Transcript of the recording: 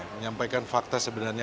menyampaikan fakta sebenarnya